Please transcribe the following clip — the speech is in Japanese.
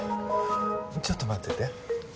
ちょっと待ってて。